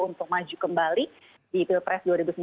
untuk maju kembali di pilpres dua ribu sembilan belas